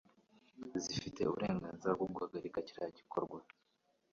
zifite uburenganzira bwo guhagarika icyo gikorwa